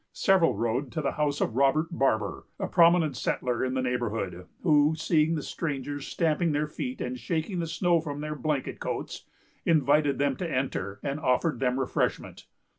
Several rode to the house of Robert Barber, a prominent settler in the neighborhood; who, seeing the strangers stamping their feet and shaking the snow from their blanket coats, invited them to enter, and offered them refreshment.